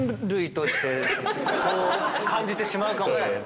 そう感じてしまうかもしれない。